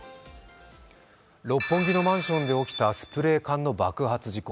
六本木のマンションで起きたスプレー缶の爆発事故。